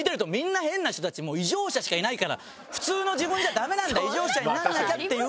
もう異常者しかいないから普通の自分じゃダメなんだ異常者にならなきゃっていう。